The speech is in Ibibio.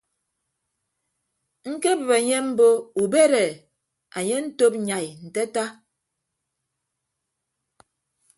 Ñkebịp enye mbo ubed e anye antop nyai nte ata.